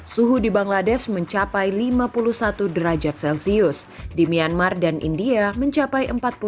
suhu di bangladesh mencapai lima puluh satu derajat celcius di myanmar dan india mencapai empat puluh lima